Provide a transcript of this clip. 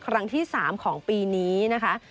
ครั้งที่๓ของปีนี้นะคะ